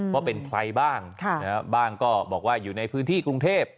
ว่าเป็นใครบ้างบ้างก็บอกว่าอยู่ในพื้นที่กรุงเทพ